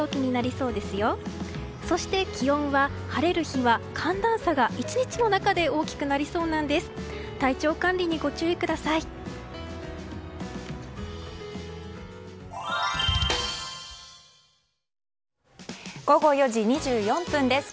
そして、気温は晴れる日は寒暖差が１日の中で大きくなりそうなんです。